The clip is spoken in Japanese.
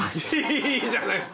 いいじゃないっすか。